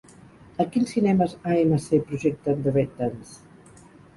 A quins cinemes AMC projecten The Red Dance?